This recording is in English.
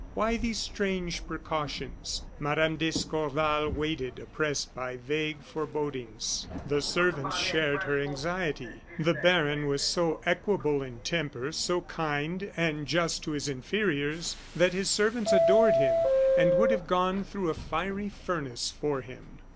Why these strange precautions? Mme. d'Escorval waited, oppressed by vague forebodings. The servants shared her anxiety. The baron was so equable in temper, so kind and just to his inferiors, that his servants adored him, and would have gone through a fiery furnace for him.